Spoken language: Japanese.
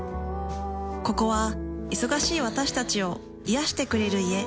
ここは忙しい私たちを癒してくれる家。